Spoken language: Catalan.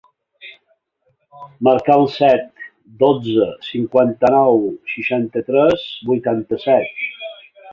Marca el set, dotze, cinquanta-nou, seixanta-tres, vuitanta-set.